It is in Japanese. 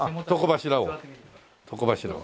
床柱を。